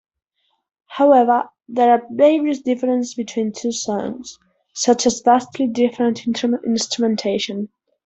However, there are various differences between the two songs, such as vastly different instrumentation.